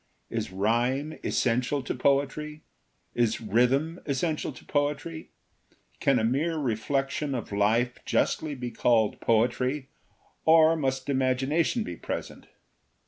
Is rhyme essential to poetry? Is rhythm essential to poetry? Can a mere reflection of life justly be called poetry, or must imagination be present?